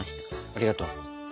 ありがとう。